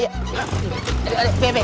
aduh aduh be be